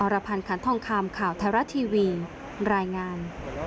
อรพันธ์คันท่องคามข่าวไทรละทีวีรายงาน